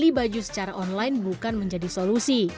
tapi membeli baju secara online bukan menjadi solusi